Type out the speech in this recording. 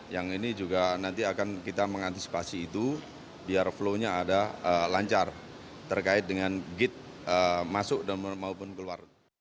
yang ini juga nanti akan kita mengantisipasi itu biar flow nya ada lancar terkait dengan git masuk maupun keluar